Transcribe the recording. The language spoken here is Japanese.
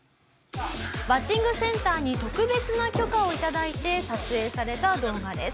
バッティングセンターに特別な許可を頂いて撮影された動画です。